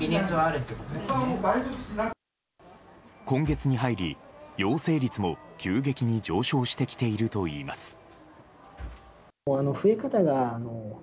今月に入り、陽性率も急激に上昇してきているといいます。